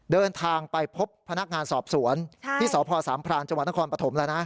เดินทางไปพบพนักงานสอบสวนที่สพสามพรานจังหวัดนครปฐมแล้วนะ